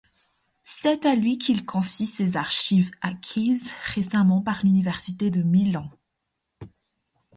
C'est à lui qu'il confie ses archives acquises récemment par l'université de Milan.